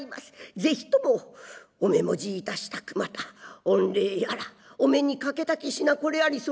ぜひともお目もじいたしたくまた御礼やらお目にかけたき品これあり候